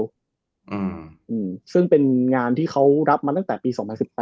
อืมซึ่งเป็นงานที่เขารับมาตั้งแต่ปี๒๐๑๘